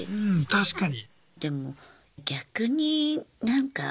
確かに。